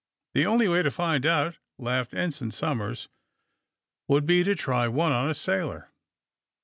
^'The only way to find out," laughed Ensign Somers, *^ would be to try one on a sailor."